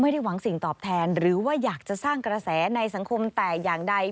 ไม่ได้หวังสิ่งตอบแทนหรือว่าอยากจะสร้างกระแสในสังคมแต่อย่างใด